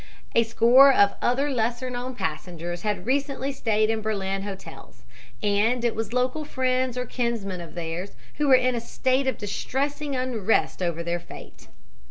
A score of other lesser known passengers had recently stayed in Berlin hotels, and it was local friends or kinsmen of theirs who were in a state of distressing unrest over their fate.